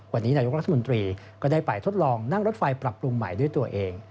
วันนี้นายกรัฐมนตรีก็ได้ไปทดลองนั่งรถไฟปรับปรุงใหม่ด้วยตัวเอง